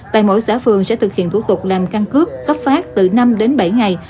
tại mỗi xã phường sẽ thực hiện thủ tục làm căn cước cấp phát từ năm đến bảy ngày